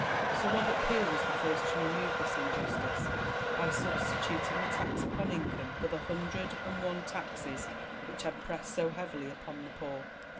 Sir Robert Peel was the first to remove this injustice, by substituting a tax upon income for the hundred and one taxes which had pressed so heavily upon the poor.